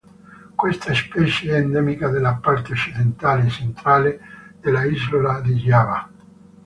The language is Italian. Questa specie è endemica della parte occidentale e centrale dell'Isola di Giava.